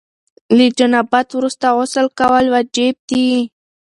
له جنابت وروسته غسل کول واجب دي.